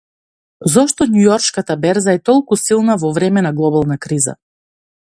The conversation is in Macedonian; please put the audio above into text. Зошто Њујоршката берза е толку силна во време на глобална криза